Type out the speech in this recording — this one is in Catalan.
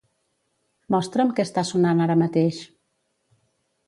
Mostra'm què està sonant ara mateix.